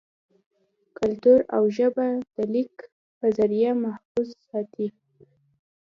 کلتور او ژبه دَليک پۀ زريعه محفوظ ساتي